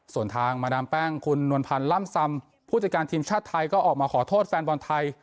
ส่วนทางมาดามแป้งคุณนวลพันธ์ล่ำซำผู้จัดการทีมชาติไทยก็ออกมาขอโทษแฟนบอลไทย